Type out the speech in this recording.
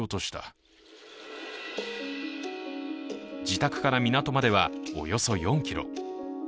自宅から港まではおよそ４ｋｍ。